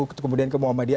kemudian ke muhammadiyah